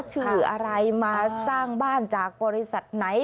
ชื่ออะไรมาสร้างบ้านจากบริษัทไหน